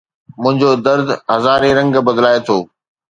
منهنجو درد هزارين رنگ بدلائي ٿو